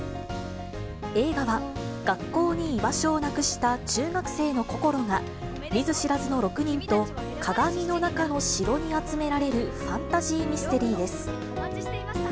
映画は学校に居場所をなくした中学生のこころが、見ず知らずの６人と、鏡の中の城に集められるファンタジーミステリーです。